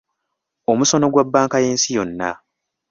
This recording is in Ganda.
omusono gwa bbanka y’ensi yonna